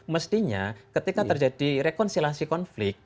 mestinya ketika terjadi rekonsilasi konflik